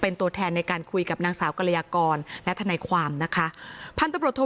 เป็นตั๋วแทนในการคุยกับนางสาวกรรยากรและทำในความนะคะ